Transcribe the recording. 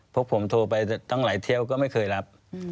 ควิทยาลัยเชียร์สวัสดีครับ